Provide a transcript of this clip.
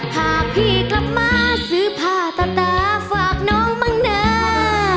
ถ้าพี่กลับมาซื้อผ้าตาตาฝากน้องมั่งหนา